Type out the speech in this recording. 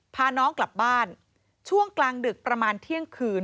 พาน้องกลับบ้านช่วงกลางดึกประมาณเที่ยงคืน